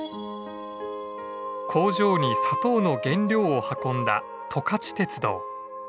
工場に砂糖の原料を運んだ十勝鉄道。